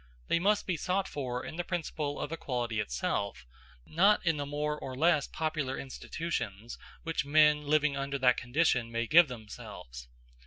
They must be sought for in the principle of equality itself, not in the more or less popular institutions which men living under that condition may give themselves.